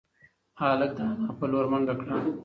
هلک د انا په لور منډه کړه.